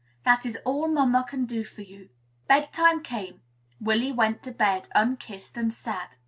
That is all mamma can do for you." Bed time came. Willy went to bed, unkissed and sad.